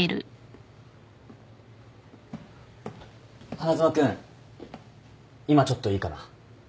花妻君今ちょっといいかな？